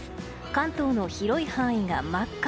関東の広い範囲が真っ赤。